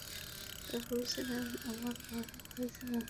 তারা বলেছিল, আমরা বার ভাই ছিলাম।